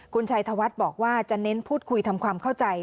คุณชัยธวัฒน์บอกว่าจะเน้นพูดคุยทำความเข้าใจ